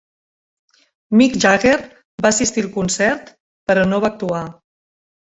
Mick Jagger va assistir al concert, però no va actuar.